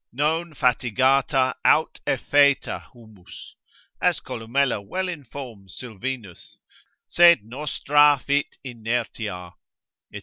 Non fatigata aut effaeta, humus, as Columella well informs Sylvinus, sed nostra fit inertia, &c.